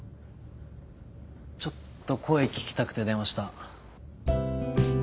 ちょっと声聞きたくて電話した。